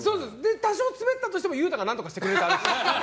多少、スベったとしても裕太が何とかしてくれる。